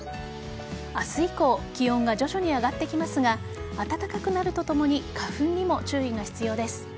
明日以降気温が徐々に上がってきますが暖かくなるとともに花粉にも注意が必要です。